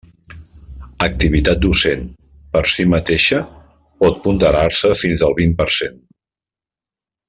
Activitat docent, per si mateixa, pot ponderar-se fins al vint per cent.